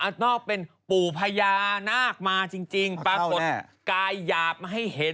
ส่านสั่นเข้าไป